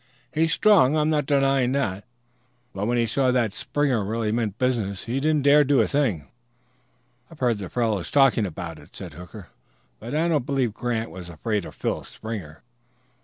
He's strong, I'm not denying that; but when he saw that Springer really meant business he didn't dare do a thing." "I've heard the fellows talking about it," said Hooker, "but I don't believe Grant was afraid of Phil Springer.